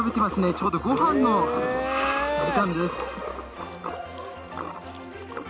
ちょうど、ごはんの時間です。